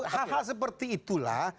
hal hal seperti itulah